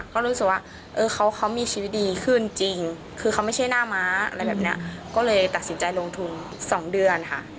ก็รู้สึกว่าเขามีชีวิตดีขึ้นจริงคือเขาไม่ใช่หน้าม้าอะไรแบบนี้ก็เลยตัดสินใจลงทุน๒เดือนค่ะ